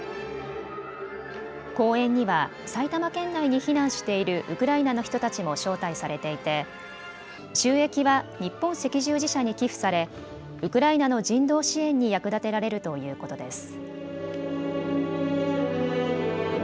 公演には埼玉県内に避難しているウクライナの人たちも招待されていて収益は日本赤十字社に寄付されウクライナの人道支援に役立てられるということです。